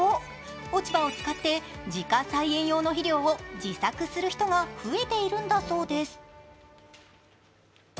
落ち葉を使って自家菜園用の肥料を自作する人が増えているんだそうです。